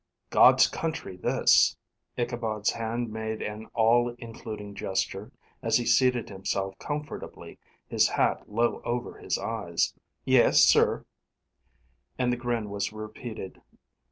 "God's country, this." Ichabod's hand made an all including gesture, as he seated himself comfortably, his hat low over his eyes. "Yes, sir," and the grin was repeated.